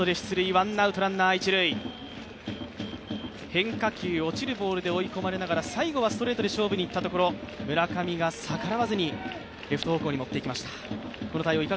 変化球、落ちるボールで追い込まれながら最後はストレートで勝負にいったところ村上が逆らわずにレフト方向に持っていきました。